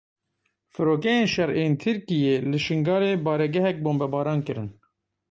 Firokeyên şer ên Tirkiyê li Şingalê baregehek bombebaran kirin.